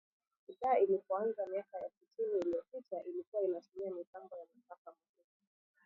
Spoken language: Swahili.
Idhaa ilipoanza miaka ya sitini iliyopita ilikua inatumia mitambo ya masafa mafupi